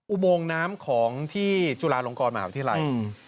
อุโมงน้ำของที่จุฬาลงกรมหาวิทยาลัย